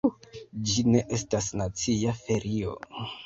Ĝi ne estas nacia ferio.